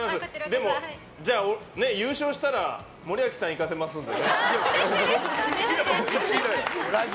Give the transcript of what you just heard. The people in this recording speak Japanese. じゃあ、優勝したら森脇さん行かせますので。